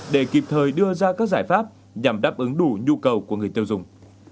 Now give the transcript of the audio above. để kịp thời đưa ra các giải pháp nhằm đáp ứng đủ nhu cầu của người tiêu dùng